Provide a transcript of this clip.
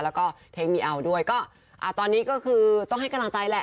แล้วก็เทคนิอัลด้วยก็อ่าตอนนี้ก็คือต้องให้กำลังใจแหละ